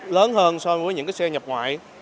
lớn hơn so với những xe nhập ngoại